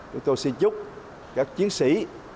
chúng tôi xin chúc các chiến sĩ